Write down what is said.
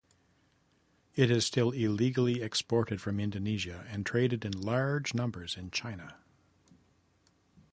It is still illegally exported from Indonesia and traded in large numbers in China.